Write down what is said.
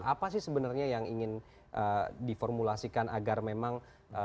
apa sih sebenarnya yang ingin diformulasikan agar memang